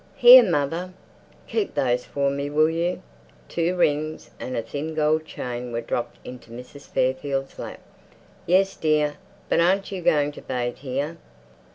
"Here, mother, keep those for me, will you?" Two rings and a thin gold chain were dropped into Mrs Fairfield's lap. "Yes, dear. But aren't you going to bathe here?"